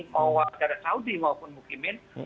mau warga saudi maupun mukimin